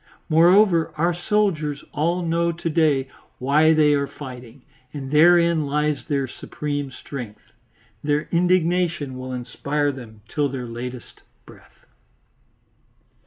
Moreover our soldiers all know to day why they are fighting, and therein lies their supreme strength. Their indignation will inspire them till their latest breath.